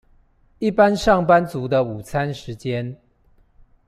一般上班族的午餐時間